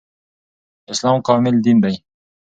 اسلام کامل دين ده